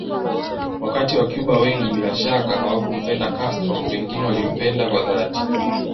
Wakati wacuba wengi bila shaka hawakumpenda Castro wengine walimpenda kwa dhati